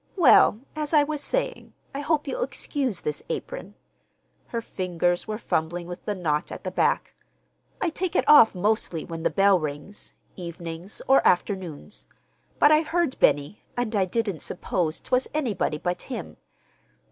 Well, as I was saying, I hope you'll excuse this apron." Her fingers were fumbling with the knot at the back. "I take it off, mostly, when the bell rings, evenings or afternoons; but I heard Benny, and I didn't suppose 'twas anybody but him.